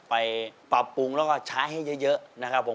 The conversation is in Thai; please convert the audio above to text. ไปปรับปรุงแล้วก็ใช้ให้เยอะนะครับผม